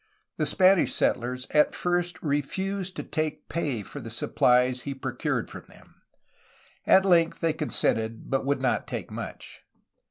The Spanish settlers at first refused to take pay for the supplies he pro cured from them. At length they consented, but would not take much.